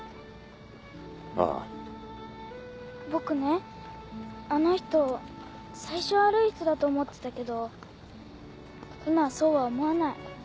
僕ねあの人最初は悪い人だと思ってたけど今はそうは思わない。